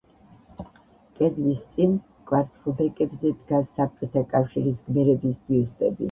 კედლის წინ კვარცხლბეკებზე დგას საბჭოთა კავშირის გმირების ბიუსტები.